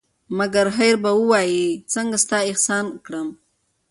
مگر هېر به وایه څنگه ستا احسان کړم